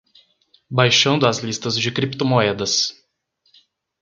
Baixando as listas de criptomoedas